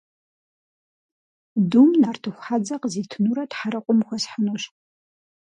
Дум нартыху хьэдзэ къызитынурэ Тхьэрыкъуэм хуэсхьынущ.